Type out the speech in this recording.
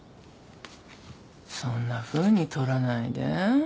そんなふうに取らないで。